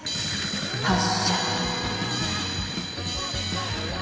発射！